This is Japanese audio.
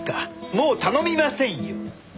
もう頼みませんよ！